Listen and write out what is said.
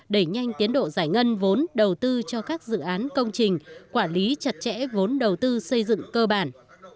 đẩy nhanh tiến độ giải ngân vốn đầu tư cho các dự án công trình quản lý chặt chẽ vốn đầu tư xây dựng cơ bản